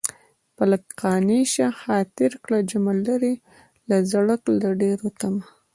په لږ قانع شه خاطر کړه جمع لرې له زړه کړه د ډېرو طمع